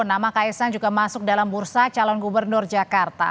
nama kaisang juga masuk dalam bursa calon gubernur jakarta